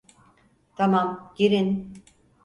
Tamam, girin.